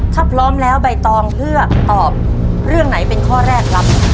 ถ้าพร้อมแล้วใบตองเลือกตอบเรื่องไหนเป็นข้อแรกครับ